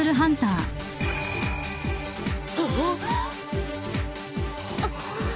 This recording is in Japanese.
あっ？